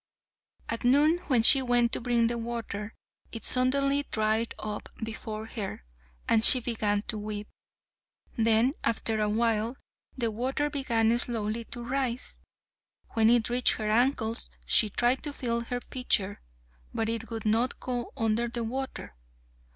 At noon when she went to bring water, it suddenly dried up before her, and she began to weep. Then after a while the water began slowly to rise. When it reached her ankles she tried to fill her pitcher, but it would not go under the water.